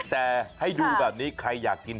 แต่ให้ดูแบบนี้ใครอยากกิน